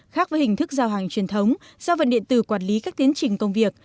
khác với hình thức giao hàng truyền thống giao vận điện tử quản lý các tiến trình công việc